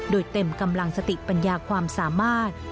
โดยเต็มกำลังสติปัญญาความสามารถ